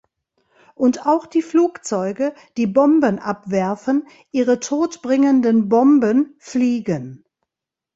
Und auch die Flugzeuge, die Bomben abwerfen, Ihre todbringenden Bomben, fliegen.